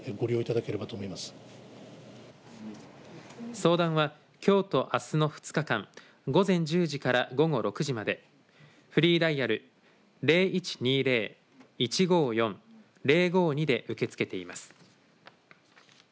相談は、きょうとあすの２日間午前１０時から午後６時までフリーダイヤル０１２０‐１５４‐０５２で受け付けています。